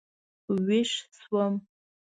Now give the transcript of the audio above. وېښ شوم.